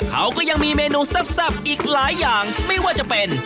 เขาก็ยังมีเมนูแซ่บอีกหลายอย่างไม่ว่าจะเป็น